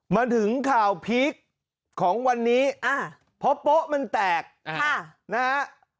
มาถึงข่าวพีคของวันนี้เพราะโป๊ะมันแตกนะฮะ